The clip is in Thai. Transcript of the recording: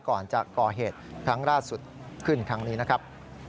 ก่อนจะก่อเหตุครั้งล่าสุดขึ้นครั้งนี้นะครับ